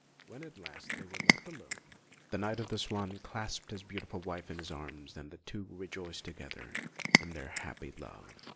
When at last they were left alone, the Knight of the Swan clasped his beautiful wife in his arms, and the two rejoiced together in their happy love.